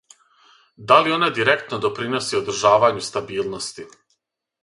Да ли она директно доприноси одржавању стабилности?